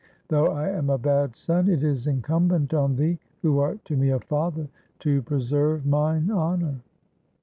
Though I am a bad son, it is incumbent on thee, who art to me a father, to pre serve mine honour.'